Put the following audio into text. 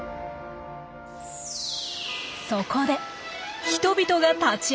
そこで人々が立ち上がりました。